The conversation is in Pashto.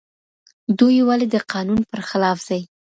دوی ولې د قانون پر خلاف ځي.